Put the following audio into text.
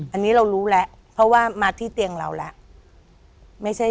อันนี้เรารู้แล้วเพราะว่ามาที่เตียงเราแล้วไม่ใช่